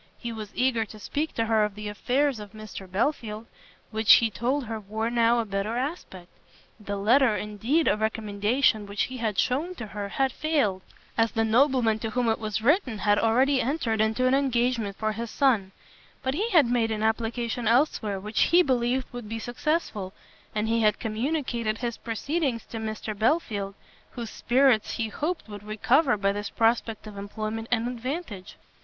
He was eager to speak to her of the affairs of Mr Belfield, which he told her wore now a better aspect. The letter, indeed, of recommendation which he had shewn to her, had failed, as the nobleman to whom it was written had already entered into an engagement for his son; but he had made application elsewhere which he believed would be successful, and he had communicated his proceedings to Mr Belfield, whose spirits he hoped would recover by this prospect of employment and advantage.